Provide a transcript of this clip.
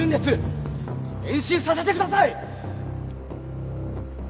練習させてください！